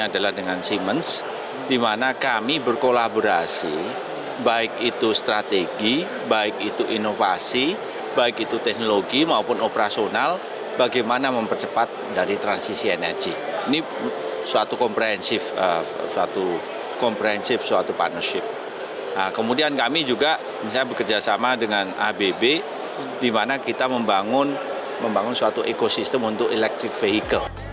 di mana kita membangun suatu ekosistem untuk elektrik vehikel